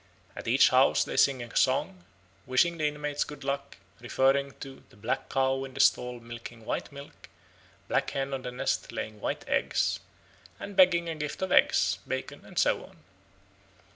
At each house they sing a song, wishing the inmates good luck, referring to the "black cow in the stall milking white milk, black hen on the nest laying white eggs," and begging a gift of eggs, bacon, and so on.